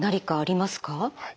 はい。